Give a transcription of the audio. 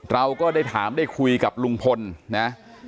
เราก็ได้ถามได้คุยกับลุงพลนะ